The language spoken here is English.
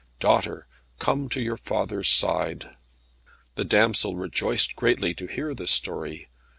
Daughter, come to your father's side." The damsel rejoiced greatly to hear this story.